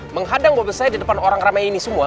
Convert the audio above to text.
menghadang mobil saya di depan orang ramai ini semua